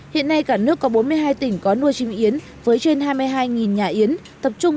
hiện nay cả nước có bốn mươi hai tỉnh có nuôi chim yến với trên hai mươi hai nhà yến tập trung